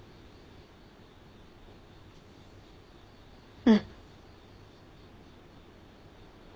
うん。